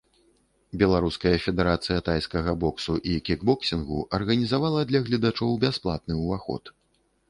Беларуская федэрацыя тайскага боксу і кікбоксінгу арганізавала для гледачоў бясплатны ўваход.